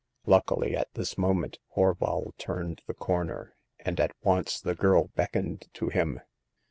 Luckily, at this moment Horval turned the corner, and at once the girl beckoned to him.